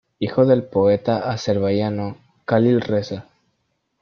Hijo del poeta azerbaiyano Khalil Rza.